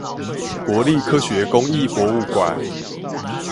國立科學工藝博物館